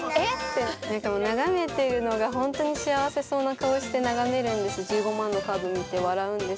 でも眺めてるのがほんとに幸せそうな顔して眺めるんです。